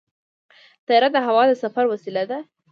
طیاره د هوا د سفر وسیله ده.